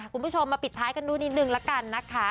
คุณผู้ชมมาปิดท้ายกันดูนิดนึงละกันนะคะ